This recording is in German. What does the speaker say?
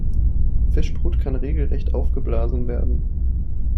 Fischbrut kann regelrecht "aufgeblasen" werden.